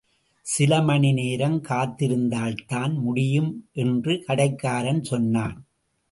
சிலமணிநேரம் காத்திருந்தால்தான் முடியும் என்று கடைக்காரன் சொன்னான்.